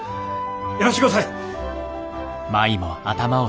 やらしてください！